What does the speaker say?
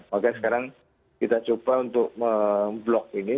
tapi sekarang kita coba untuk memblokir ini